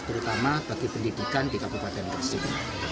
terutama bagi pendidikan di kabupaten gresik